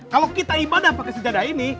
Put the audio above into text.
kalau kita ibadah pakai sejadah ini